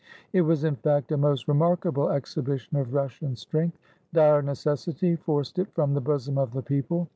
It was, in fact, a most remarkable exhibition of Russian strength; dire necessity forced it from the bosom of the people.